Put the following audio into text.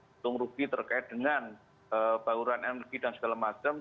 untung rugi terkait dengan bauran energi dan segala macam